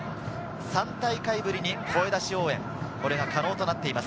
３大会ぶりに声出し応援が可能となっています。